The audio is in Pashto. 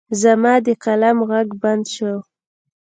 زما د قلم غږ بند شو.